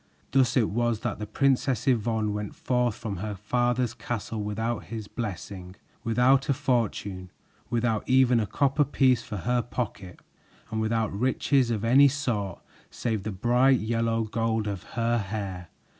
Thus it was that the Princess Yvonne went forth from her father's castle without his blessing, without a fortune, without even a copper piece for her pocket, and without riches of any sort save the bright yellow gold of her hair.